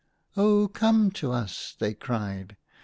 " Oh, come to us !" they cried.